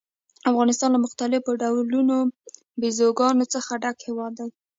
افغانستان له مختلفو ډولونو بزګانو څخه ډک هېواد دی.